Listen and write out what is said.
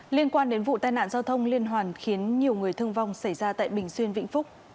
liên quan đến vụ tai nạn giao thông liên hoàn khiến nhiều người thương vong xảy ra tại bình xuyên vĩnh phúc